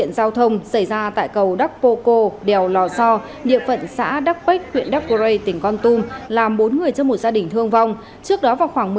ngay lúc đó